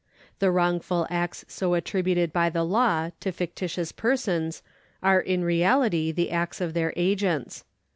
The wrongful acts so attributed by the law to fictitious persons are in reality the acts of their agents.